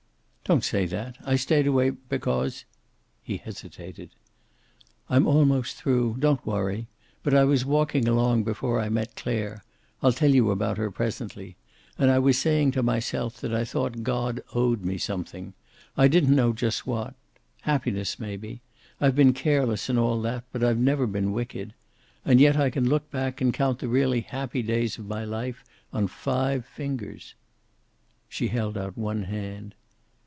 "Don't say that. I stayed away, because " He hesitated. "I'm almost through. Don't worry! But I was walking along before I met Clare I'll tell you about her presently and I was saying to myself that I thought God owed me something. I didn't know just what. Happiness, maybe. I've been careless and all that, but I've never been wicked. And yet I can look back, and count the really happy days of my life on five fingers." She held out one hand.